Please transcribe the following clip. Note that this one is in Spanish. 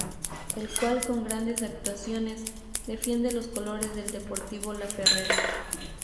El cual con grandes actuaciones defiende los colores Del Deportivo Laferrere.